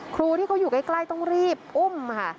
ครูที่เขาอยู่ใกล้ต้องรีบอุ้มค่ะ